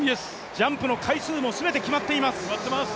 ジャンプの回数も全て決まっています。